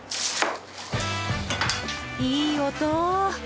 いい音！